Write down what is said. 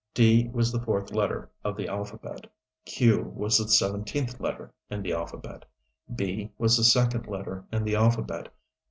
"D" was the fourth letter in the alphabet. "Q" was the seventeenth letter in the alphabet. "B" was the second letter in the alphabet.